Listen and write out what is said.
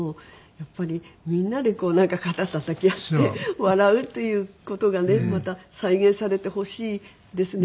やっぱりみんなでこうなんか肩たたき合って笑うっていう事がねまた再現されてほしいですね。